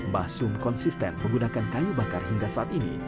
basum konsisten menggunakan kayu bakar hingga saat ini